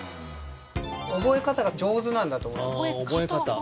覚え方が上手なんだと思います。